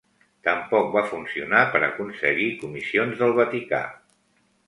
Tampoc va funcionar per aconseguir comissions del Vaticà.